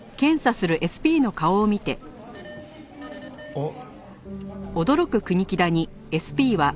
あっ。